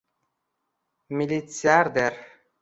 Militsiarder...